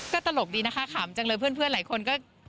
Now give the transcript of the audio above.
ก็ตลกดีนะคะขำจังเลยเพื่อนหลายคนก็